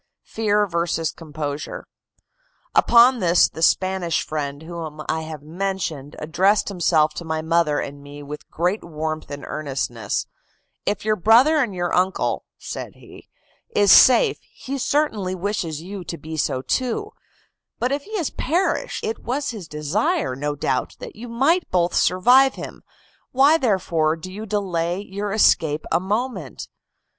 FEAR VERSUS COMPOSURE "Upon this the Spanish friend whom I have mentioned, addressed himself to my mother and me with great warmth and earnestness; 'If your brother and your uncle,' said he, 'is safe, he certainly wishes you to be so too; but if he has perished, it was his desire, no doubt, that you might both survive him: why therefore do you delay your escape a moment?